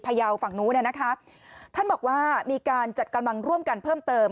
ยาวฝั่งนู้นเนี่ยนะคะท่านบอกว่ามีการจัดกำลังร่วมกันเพิ่มเติม